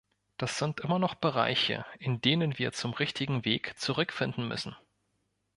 Das sind immer noch Bereiche, in denen wir zum richtigen Weg zurückfinden müssen.